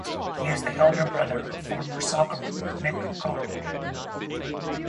He is the elder brother of former Socceroo Nick Carle.